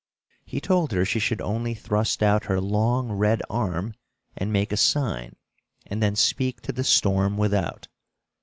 He told her she should only thrust out her long red arm and make a sign, and then speak to the storm without.